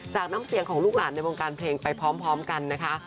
น้ำเสียงของลูกหลานในวงการเพลงไปพร้อมกันนะคะ